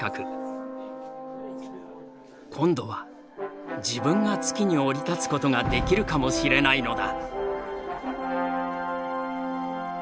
今度は自分が月に降り立つことができるかもしれないのだ。